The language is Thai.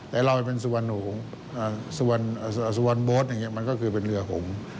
แต่เราเป็นสวอนโบ๊ทมันก็คือเป็นเรือหงษ์